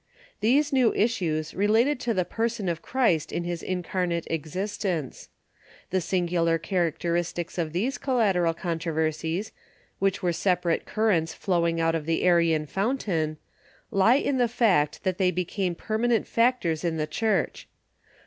These new issues related to the person of Christ in his incar nate existence. The singular characteristics of these collat eral controversies, which were separate currents flowing out of the Arian fountain, lie in the fact that they became perma nent factors in the Church.